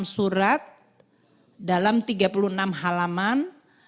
satu ratus sembilan puluh enam surat dalam tiga puluh enam halaman